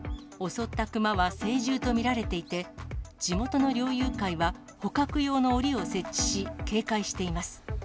襲ったクマは成獣と見られていて、地元の猟友会は、捕獲用のおりを設置し、警戒しています。